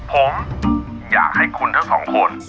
ผมอยากให้คุณทั้งสองคน